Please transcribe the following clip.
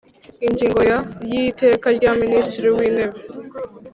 Ingingo ya y Iteka rya Minisitiri wintebe